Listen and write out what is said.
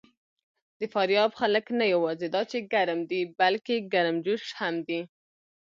د فاریاب خلک نه یواځې دا چې ګرم دي، بلکې ګرمجوش هم دي.